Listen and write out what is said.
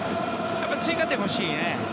追加点が欲しいよね。